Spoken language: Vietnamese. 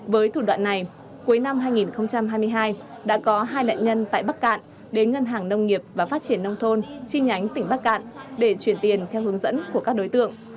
với thủ đoạn này cuối năm hai nghìn hai mươi hai đã có hai nạn nhân tại bắc cạn đến ngân hàng nông nghiệp và phát triển nông thôn chi nhánh tỉnh bắc cạn để chuyển tiền theo hướng dẫn của các đối tượng